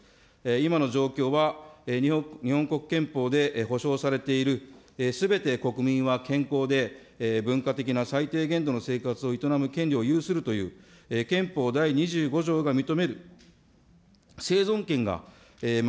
今の状況は、日本国憲法で保障されているすべて国民は健康で文化的な最低限度の生活を営む権利を有するという憲法第２５条が認める生存権が守